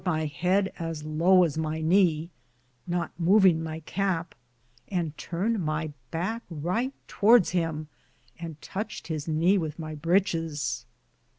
7I my heade as low as my kne, not movinge my cape, and turned my backe righte towardes him, and touched his kne with my britchis.